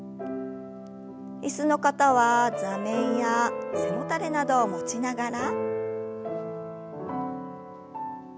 椅子の方は座面や背もたれなどを持ちながら。